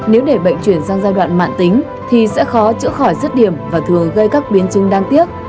nếu để bệnh chuyển sang giai đoạn mạng tính thì sẽ khó chữa khỏi rứt điểm và thường gây các biến chứng đáng tiếc